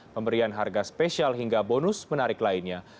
pemberian harga spesial hingga bonus menarik lainnya